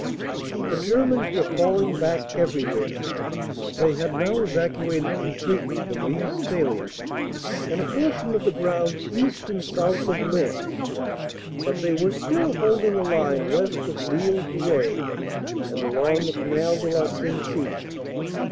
"The Germans were falling back everywhere; they had now evacuated completely the Lys salient and a portion of the ground east and south of Lens, but they were still holding a line west of Lille Douai and along the Canal de la Sensee.